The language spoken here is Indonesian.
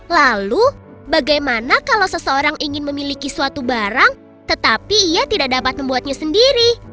lalu bagaimana kalau seseorang ingin memiliki suatu barang tetapi ia tidak dapat membuatnya sendiri